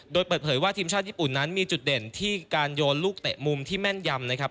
โดยเปิดเผยว่าทีมชาติญี่ปุ่นนั้นมีจุดเด่นที่การโยนลูกเตะมุมที่แม่นยำนะครับ